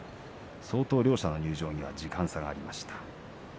相当両者の入場には時間差がありました。